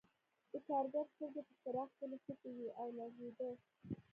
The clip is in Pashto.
د کارګر سترګې په څراغ کې نښتې وې او لړزېده